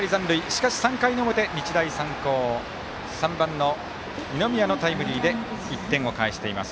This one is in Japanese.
しかし、３回の表、日大三高３番の二宮のタイムリーで１点を返しています。